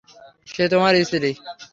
সে তোমার স্ত্রী!